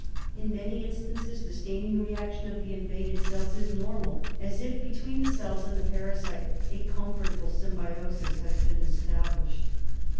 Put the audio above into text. In many instances the ^ staining reaction of the invaded cells is normal, as if * between the cells and the parasite a comfortable symbiosis 'had been established.